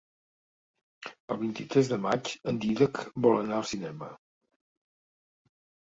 El vint-i-tres de maig en Dídac vol anar al cinema.